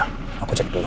aku mau tunggu di sini ya